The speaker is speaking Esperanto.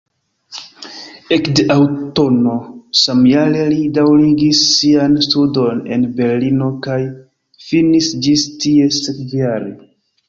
Ekde aŭtuno samjare li daŭrigis sian studon en Berlino kaj finis ĝis tie sekvajare.